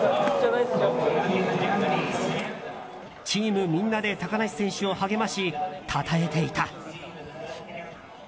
チームみんなで高梨選手を励ましたたえていた。